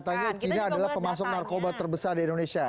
katanya china adalah pemasok narkoba terbesar di indonesia